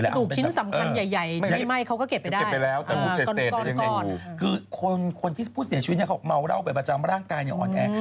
แค่คนที่พูดในชีวิตเขาเมาร่าวไปประจำร่างกายนี่อ่อนแอ